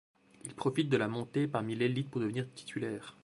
Il profite de la montée parmi l'élite pour devenir titulaire.